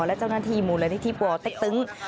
และเจ้านักงานมูลนาธิบัวเต็กตึง